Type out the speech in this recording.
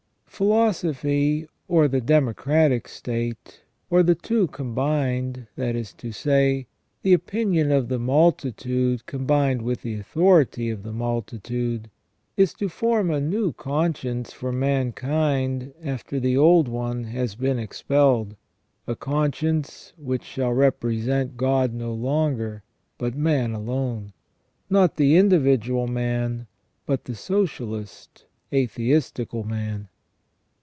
Philosophy, or the democratic state, or the two combined, that is to say, the opinion of the multitude combined with the authority of the multitude, is to form a new conscience for mankind after the old one has been expelled — a conscience which shall represent God no longer, but man alone ; not the individual man, but the socialist, atheistical man.